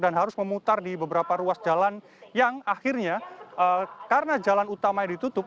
dan harus memutar di beberapa ruas jalan yang akhirnya karena jalan utamanya ditutup